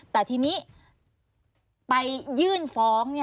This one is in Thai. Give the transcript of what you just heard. แต่ทีนี้ไปยื่นฟ้อง